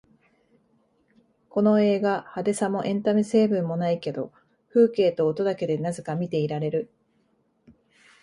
この映画、派手さもエンタメ成分もないけど風景と音だけでなぜか見ていられる